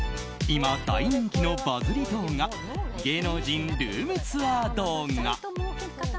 今、大人気のバズり動画芸能人ルームツアー動画。